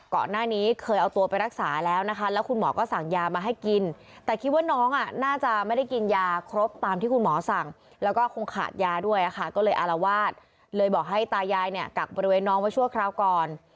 ก่อนหน้านี้เคยเอาตัวไปรักษาแล้วนะคะแล้วคุณหมอก็สั่งยามาให้กินแต่คิดว่าน้องอ่ะน่าจะไม่ได้กินยาครบตามที่คุณหมอสั่งแล้วก็คงขาดยาด้วยค่ะก็เลยอารวาสเลยบอกให้ตายายเนี่ยกักบริเวณน้องไว้ชั่วคราวก่อน